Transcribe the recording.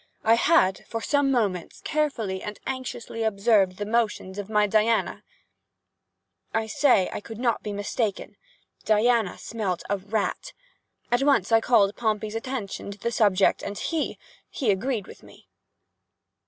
I had, for some moments, carefully and anxiously observed the motions of my Diana—I say that I could not be mistaken—Diana smelt a rat! At once I called Pompey's attention to the subject, and he—he agreed with me.